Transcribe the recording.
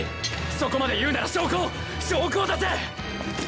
そこまで言うなら証拠を証拠を出せ！